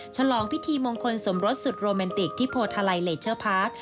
ฉลองพิธีมงคลสมรสสุดโรแมนติกที่โพทาลัยเลเชอร์พาร์ค